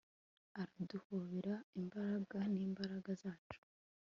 araduhobera imbaraga n'imbaraga zacu